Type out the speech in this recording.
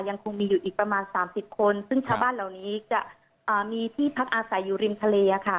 ยังคงมีอยู่อีกประมาณ๓๐คนซึ่งชาวบ้านเหล่านี้จะมีที่พักอาศัยอยู่ริมทะเลค่ะ